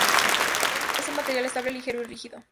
Es un material estable ligero y rígido.